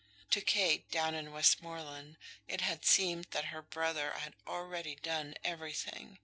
To Kate, down in Westmoreland, it had seemed that her brother had already done everything.